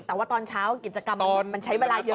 แต่ว่าตอนเช้ากิจกรรมมันใช้เวลาเยอะ